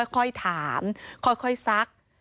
ค่อยถามค่อยซัก